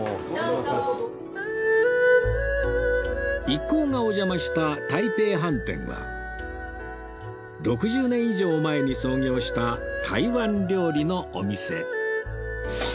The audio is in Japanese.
一行がお邪魔した台北飯店は６０年以上前に創業した台湾料理のお店